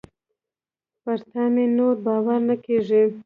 پر تا مي نور باور نه کېږي .